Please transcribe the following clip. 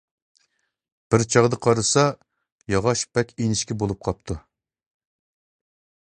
بىر چاغدا قارىسا، ياغاچ بەك ئىنچىكە بولۇپ قاپتۇ.